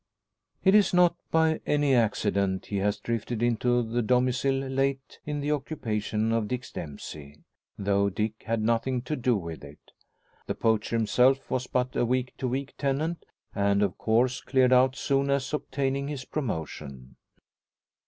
Is is not by any accident he has drifted into the domicile late in the occupation of Dick Dempsey, though Dick had nothing to do with it. The poacher himself was but a week to week tenant, and of course cleared out soon as obtaining his promotion.